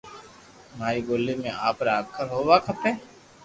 ماري ٻولي ۾ آپرا اکر ھووا کپي